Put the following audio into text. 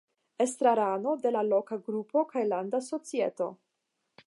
Estrarano de la loka grupo kaj landa societo.